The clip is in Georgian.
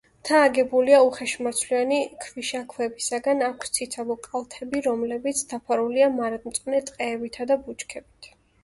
მთა აგებულია უხეშმარცვლოვანი ქვიშაქვებისაგან, აქვს ციცაბო კალთები, რომლებიც დაფარულია მარადმწვანე ტყეებით და ბუჩქებით.